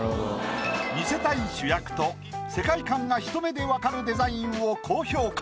見せたい主役と世界観がひと目で分かるデザインを高評価。